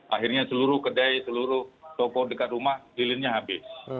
akhirnya seluruh kedai seluruh toko dekat rumah lilinnya habis